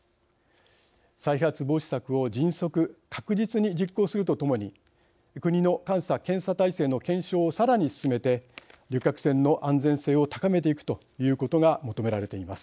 再発防止策を迅速、確実に実行すると共に国の監査・検査体制の検証をさらに進めて旅客船の安全性を高めていくということが求められています。